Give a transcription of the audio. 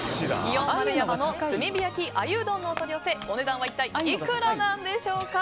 祇園丸山の炭火焼鮎うどんのお取り寄せお値段は一体いくらなんでしょうか。